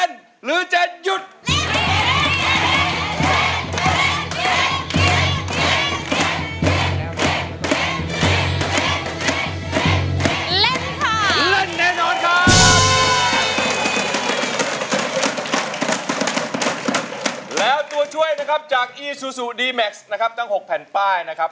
เดี๋ยวเมื่อกี้พูดว่าอะไรล่ะคะ